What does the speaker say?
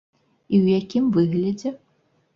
І ў якім выглядзе?